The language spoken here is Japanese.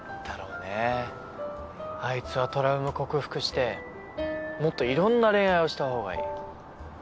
だろうねアイツはトラウマ克服してもっといろんな恋愛をしたほうがいい。